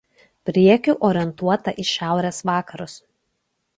Priekiu orientuota į šiaurės vakarus.